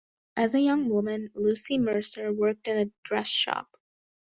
As a young woman, Lucy Mercer worked in a dress shop.